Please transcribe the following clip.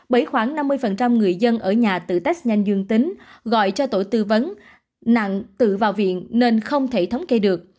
bởi khoảng năm mươi người dân ở nhà tự test nhanh dương tính gọi cho tổ tư vấn nặng tự vào viện nên không thể thống kê được